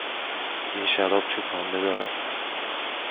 این شراب چوب پنبه دارد.